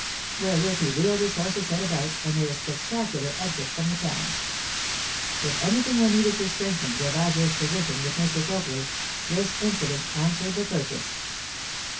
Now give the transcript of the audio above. Wherewith he wheeled his horse's head about and made a spectacular exit from the town. If anything were needed to strengthen Gervasio's position with Mr. Copley, this incident answered the purpose.